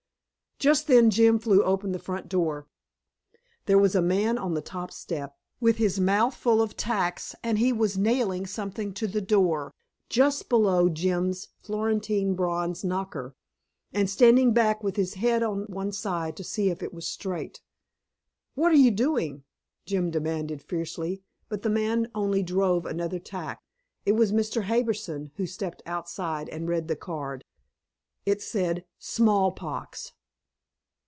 Just then Jim threw open the front door. There was a man on the top step, with his mouth full of tacks, and he was nailing something to the door, just below Jim's Florentine bronze knocker, and standing back with his head on one side to see if it was straight. "What are you doing?" Jim demanded fiercely, but the man only drove another tack. It was Mr. Harbison who stepped outside and read the card. It said "Smallpox."